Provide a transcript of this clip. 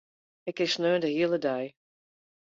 Ik kin sneon de hiele dei.